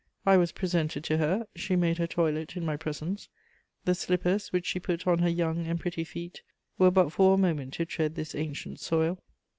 I was presented to her; she made her toilet in my presence; the slippers which she put on her young and pretty feet were but for a moment to tread this ancient soil.